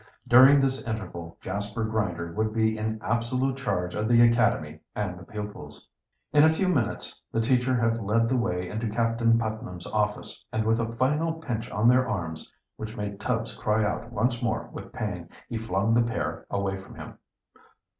During this interval Jasper Grinder would be in absolute charge of the academy and the pupils. In a few minutes the teacher had led the way into Captain Putnam's office, and with a final pinch of their arms, which made Tubbs cry out once more with pain, he flung the pair away from him.